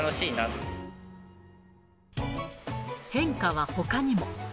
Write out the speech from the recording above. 変化はほかにも。